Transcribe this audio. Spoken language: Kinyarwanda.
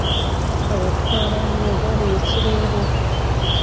Abatwara amagare mu kirere